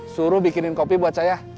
suruh bikinin kopi buat saya